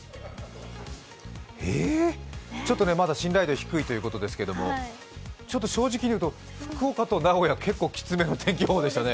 えー、ちょっとまだ信頼度が低いということですけども、ちょっと正直にいうと福岡と名古屋きつめの天気予報でしたね。